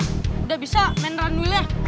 udah bisa main runwheel nya